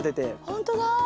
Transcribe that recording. ほんとだ！